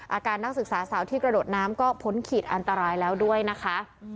นักศึกษาสาวที่กระโดดน้ำก็พ้นขีดอันตรายแล้วด้วยนะคะ